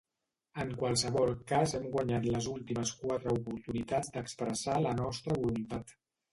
En qualsevol cas hem guanyat les últimes quatre oportunitats d’expressar la nostra voluntat.